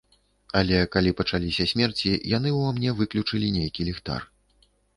Але калі пачаліся смерці, яны ўва мне выключылі нейкі ліхтар.